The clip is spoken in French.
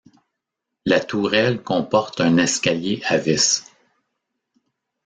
La tourelle comporte un escalier à vis.